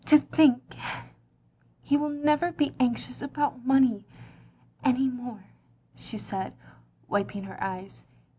To think he will never be anxious about money any more," she said, wiping her eyes.